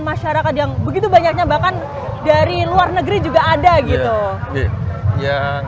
masyarakat yang begitu banyaknya bahkan dari luar negeri juga ada gitu yang